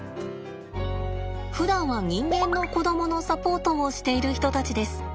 ふだんは人間の子供のサポートをしている人たちです。